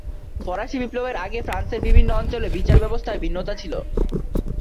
ফরাসী বিপ্লবের আগে ফ্রান্সের বিভিন্ন অঞ্চলে বিচারব্যবস্থায় ভিন্নতা ছিল।